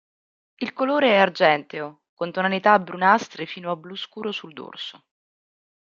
Il colore è argenteo con tonalità brunastre fino a blu scuro sul dorso.